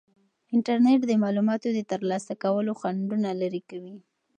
انټرنیټ د معلوماتو د ترلاسه کولو خنډونه لرې کوي.